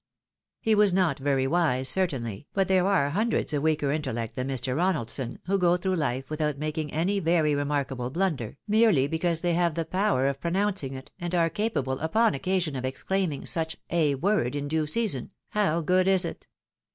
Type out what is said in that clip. He was not very wise, certainly, but there are hundreds of weaker intellect tlian Mr. Konaldson, who go through life without making any very remarkable blunder, merely because they have the power of pronouncing it, and are capable upon occasion of exclaiming, Such " a word in due season, how good is it